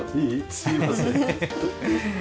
すいません。